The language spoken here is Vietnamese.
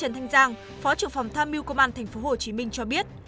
trần thanh giang phó trưởng phòng tham mưu công an tp hcm cho biết